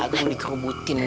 aku mau dikebutin